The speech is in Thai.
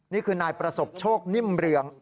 นี่คือนายประสบโชคนิ่มเรือง